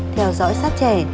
theo dõi sát trẻ